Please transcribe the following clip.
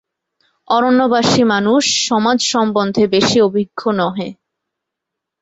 অরণ্যবাসী মানুষ সমাজ সম্বন্ধে বেশী অভিজ্ঞ নহে।